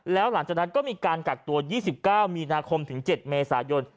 แล้วหลังจากนั้นก็มีการกักตัว๒๙มีนาคมถึง๗เมษายน